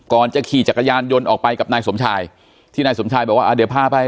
จะขี่จักรยานยนต์ออกไปกับนายสมชายที่นายสมชายบอกว่าอ่าเดี๋ยวพาไป